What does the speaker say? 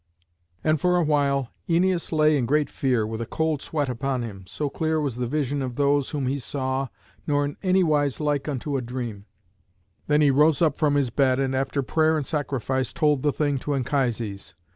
And for a while Æneas lay in great fear, with a cold sweat upon him, so clear was the vision of those whom he saw, nor in anywise like unto a dream. Then he rose up from his bed, and after prayer and sacrifice told the thing to Anchises.